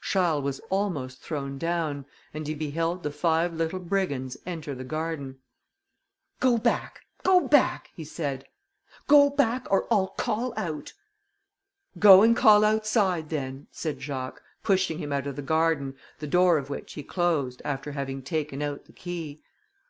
Charles was almost thrown down, and he beheld the five little brigands enter the garden. "Go back! go back!" he said, "go back, or I'll call out." "Go and call outside then!" said Jacques, pushing him out of the garden, the door of which he closed, after having taken out the key.